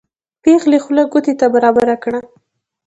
پېغلې خوله کوټې ته برابره کړه.